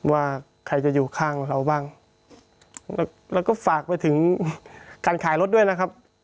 ว่าใครจะอยู่ข้างเราบ้างแล้วก็ฝากไปถึงการขายรถด้วยนะครับ